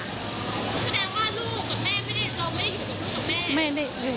แสดงว่าลูกกับแม่ไม่ได้อยู่